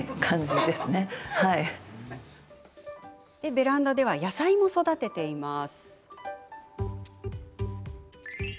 ベランダでは野菜も育てています。